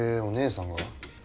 お姉さんが？